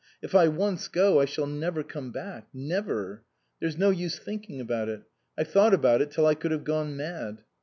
If I once go, I shall never come back never. There's no use thinking about it. I've thought about it till I could have gone mad."